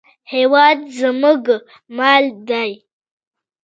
هېواد زموږ مال دی